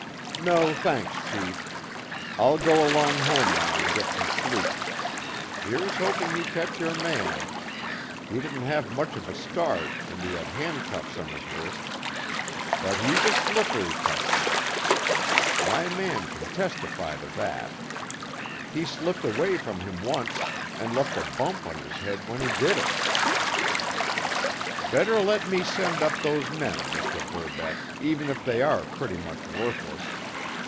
"No, thanks, chief. I'll go along home now and get some sleep. Here's hoping you catch your man. He didn't have much of a start, and he had handcuffs on his wrists—but he's a slippery customer. My man can testify to that. He slipped away from him once, and left a bump on his head when he did it." "Better let me send up those men, Mr. Verbeck, even if they are pretty much worthless.